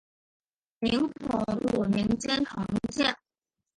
明洪武年间重建。